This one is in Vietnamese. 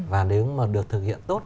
và nếu mà được thực hiện tốt